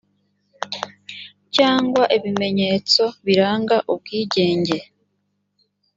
cyangwa ibimenyetso biranga ubwigenge